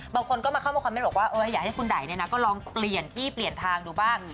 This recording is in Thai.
บางคนก็มาเข้ามาคอมเมนต์บอกว่าอยากให้คุณได่ก็ลองเปลี่ยนที่เปลี่ยนทางดูบ้าง